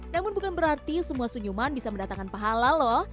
namun bukan berarti semua senyuman bisa mendatangkan pahala loh